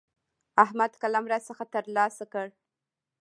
احمد قلم راڅخه تر لاسه کړ.